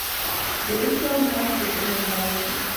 د استاد ږغ د علم درس دی.